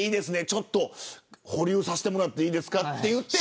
ちょっと保留させてもらっていいですかといって。